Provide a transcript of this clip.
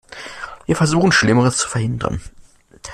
Wir versuchen, Schlimmeres zu verhindern.